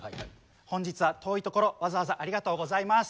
本日は遠いところわざわざありがとうございます。